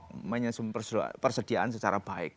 namanya persediaan secara baik